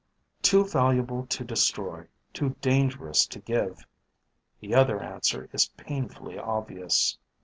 Too valuable to destroy, too dangerous to give. The other answer is painfully obvious.